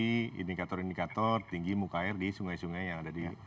menjadi indikator indikator tinggi muka air di sungai sungai yang ada di